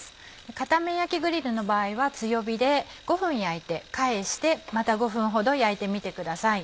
片面焼きグリルの場合は強火で５分焼いて返してまた５分ほど焼いてみてください。